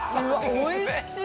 おいしい！